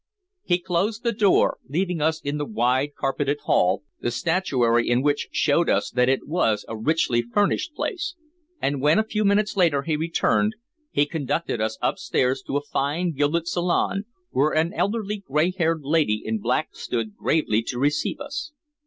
He closed the door, leaving us in the wide carpeted hall, the statuary in which showed us that it was a richly furnished place, and when a few minutes later he returned, he conducted us upstairs to a fine gilded salon, where an elderly gray haired lady in black stood gravely to receive us.